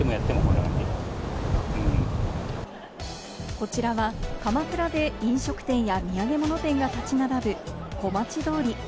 こちらは鎌倉で飲食店や土産物店が立ち並ぶ小町通り。